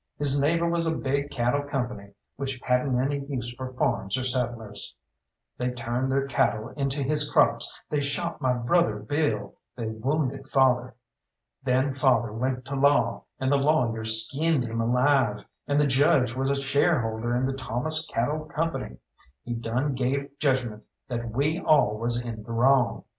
His neighbour was a big cattle company, which hadn't any use for farms or settlers. They turned their cattle into his crops, they shot my brother Bill, they wounded father. Then father went to law, and the lawyers skinned him alive, and the judge was a shareholder in the Thomas Cattle Company he done gave judgment that we all was in the wrong.